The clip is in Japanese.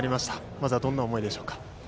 まずは、どんな思いでしょうか。